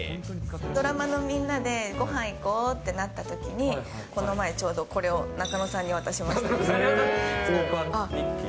ドラマのみんなでごはん行こうってなったときに、この前、ちょうどこれを仲野さんに渡しま交換日記？